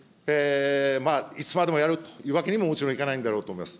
いつまでもやるというわけにももちろんいかないんだろうと思います。